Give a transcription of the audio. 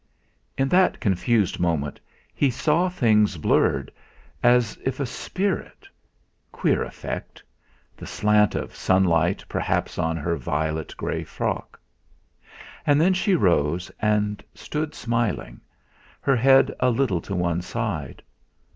In that confused moment he saw things blurred, as if a spirit queer effect the slant of sunlight perhaps on her violet grey frock! And then she rose and stood smiling, her head a little to one side.